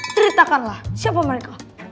ceritakanlah siapa mereka